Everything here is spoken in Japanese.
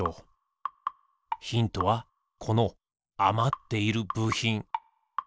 ヒントはこのあまっているぶひん。